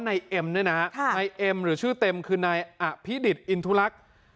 นายเอ็มเนี่ยนะฮะนายเอ็มหรือชื่อเต็มคือนายอภิดิตอินทุลักษณ์